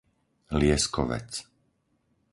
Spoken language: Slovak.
Lieskovec